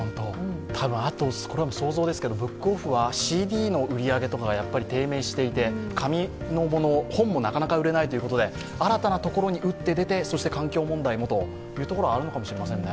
多分あと、これ想像ですけど、ブックオフはＣＤの売り上げとかが低迷していて、紙、本も売れないということで新たなところに打って出て環境問題もということかもしれませんね。